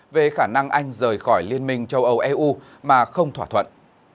về khả năng anh rời khỏi liên minh châu âu eu mà không thỏa thuận